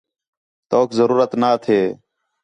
توک ضرورت نہ تھے